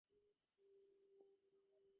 ঠিকই ধরেছেন, বিশ্বাস করছি না।